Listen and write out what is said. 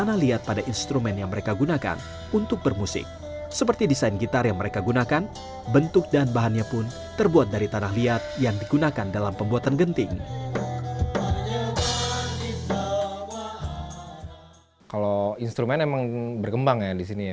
kalau instrumen memang berkembang ya di sini ya